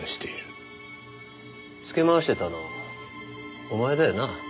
つけ回してたのお前だよな？